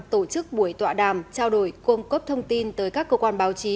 tổ chức buổi tọa đàm trao đổi cung cấp thông tin tới các cơ quan báo chí